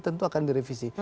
tentu akan direvisi